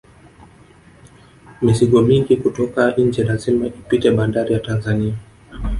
mizigo mingi kutoka nje lazima ipite banbari ya tanzania